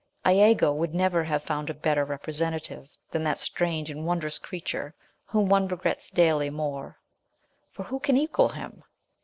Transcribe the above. lago would never have found a better representative than that strange and wondrous creature whom one regrets daily more; for who can equal him?"